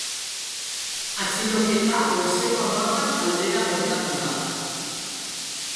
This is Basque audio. Atxiloketa goizeko hamarrak aldera gertatu da.